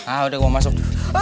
ah udah mau masuk